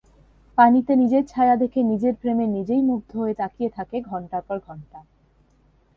পানিতে নিজের ছায়া দেখে নিজের প্রেমে নিজেই মুগ্ধ হয়ে তাকিয়ে থাকে ঘণ্টার পর ঘণ্টা।